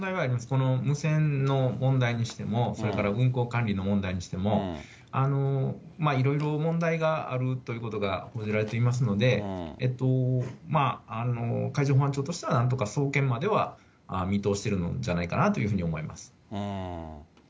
この無線の問題にしても、それから運航管理の問題にしても、いろいろ問題があるということが報じられていますので、海上保安庁としたら、なんとか送検までは見通してるんじゃないかと思います。